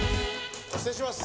失礼します。